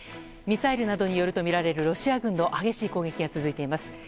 ミサイルなどによるとみられるロシア軍の激しい攻撃が続いています。